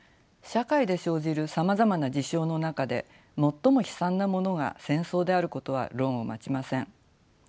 社会で生じるさまざまな事象の中で最も悲惨なものが戦争であることは論を待ちません。